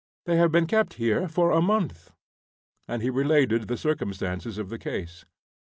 They have been kept here a month." And he related the circumstances of the case.